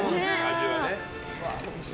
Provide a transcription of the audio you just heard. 味はね。